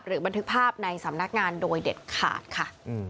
บันทึกภาพในสำนักงานโดยเด็ดขาดค่ะ